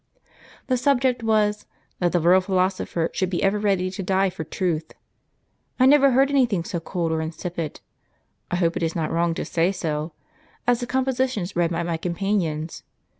The subject was, 'That the real philosopher should be ever ready to die for truth.' I never heard anything so cold or insipid (I hope it is not wrong to say so) as the compositions read by my companions.